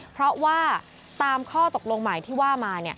เพราะว่าตามข้อตกลงใหม่ที่ว่ามา